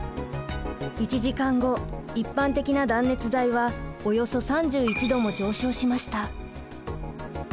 １時間後一般的な断熱材はおよそ３１℃も上昇しました。